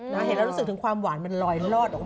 เห็นแล้วรู้สึกถึงความหวานมันลอยลอดออกมา